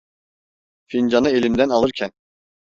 Fincanı elimden alırken: